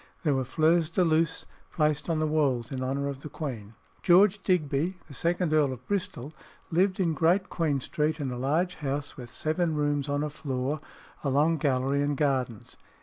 There were fleurs de luce placed on the walls in honour of the queen. George Digby, the second Earl of Bristol, lived in Great Queen Street, in a large house with seven rooms on a floor, a long gallery, and gardens.